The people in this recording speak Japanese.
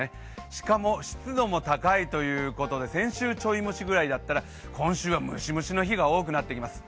しかも、湿度も高いということで先週チョイ蒸しぐらいだったのが今週はムシムシの日が多くなってきます。